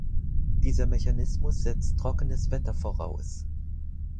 Dieser Mechanismus setzt trockenes Wetter voraus.